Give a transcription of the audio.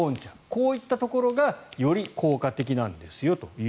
こういったところがより効果的なんですよと。